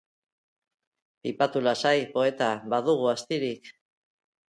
Pipatu lasai, poeta, badugu astirik.